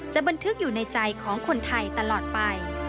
บันทึกอยู่ในใจของคนไทยตลอดไป